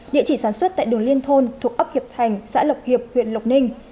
địa chỉ sản xuất tại đường liên thôn thuộc ấp hiệp thành xã lộc hiệp huyện lộc ninh